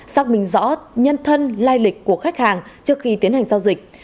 xác minh rõ nhân thân lai lịch của khách hàng trước khi tiến hành giao dịch